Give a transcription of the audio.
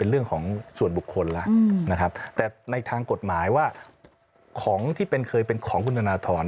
เรื่องของส่วนบุคคลแล้วนะครับแต่ในทางกฎหมายว่าของที่เป็นเคยเป็นของคุณธนทร